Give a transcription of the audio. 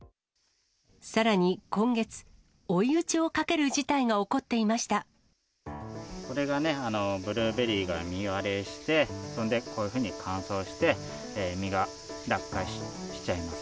さらに今月、追い打ちをかけこれがね、ブルーベリーが実割れして、それでこういうふうに乾燥して、実が落下しちゃいます。